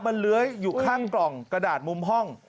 มันเลื้อยอยู่ข้างกล่องกระดาษมุมห้อง